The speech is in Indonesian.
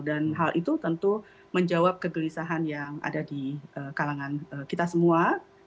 dan hal itu tentu menjawab kegelisahan yang ada di kalangan kita semua